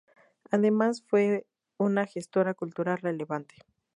Además, fue una gestora cultural relevante.